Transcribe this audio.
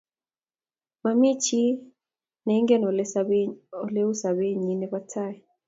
Mami chi neingen ole u sopennyi ne po tai